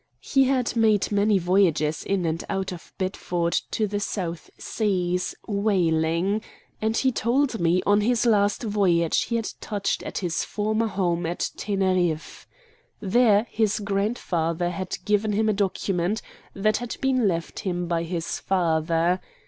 He had made many voyages in and out of Bedford to the South Seas, whaling, and he told me on his last voyage he had touched at his former home at Teneriffe. There his grandfather had given him a document that had been left him by his father.